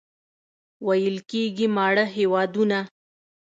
ویل کېږي ماړه هېوادونه.